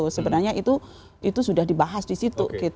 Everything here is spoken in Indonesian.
sebenarnya itu sudah dibahas disitu